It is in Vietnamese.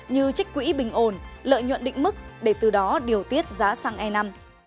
như trích quỹ bình ổn lợi nhuận định mức để từ đó điều tiết giá xăng e năm